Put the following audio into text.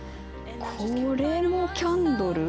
これもキャンドル？